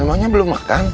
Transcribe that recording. emangnya belum makan